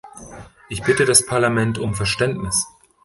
Ich bitte das Parlament um Verständnis.